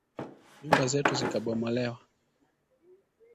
Nyumba zetu zikabomolewa